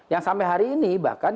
yang sampai hari ini bahkan